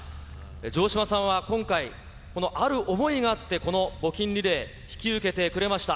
城島さんは今回、このある想いがあって、この募金リレー、引き受けてくれました。